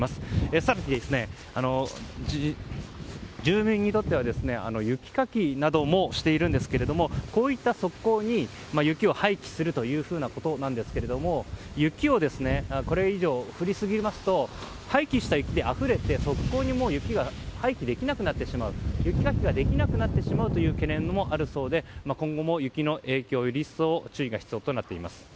更に、住民にとっては雪かきなどしているんですけどもこういった側溝に雪を廃棄するということですが雪をこれ以上降りすぎますと廃棄した雪であふれて側溝に雪が廃棄できなくなってしまい雪かきできなくなる懸念もあるそうで今後も雪の影響、より一層注意が必要となってきます。